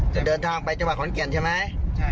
จะเดินทางไปจังหวัดขอนแก่นใช่ไหม